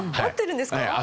合ってるんですか？